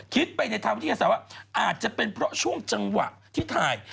คิดไปในทางวิทยาศาสตร์ว่าอาจจะเป็นเพราะช่วงจังหวะที่ถ่าย